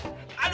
tidak ada itu